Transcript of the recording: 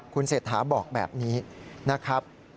คุณเศรษฐาบอกแบบนี้นะครับ